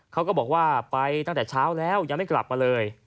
เขาก็บอกว่าไปตั้งแต่เช้าแล้วยังไม่กลับมาเลย